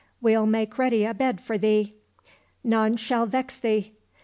We'll make ready a bed for thee. None shall vex thee.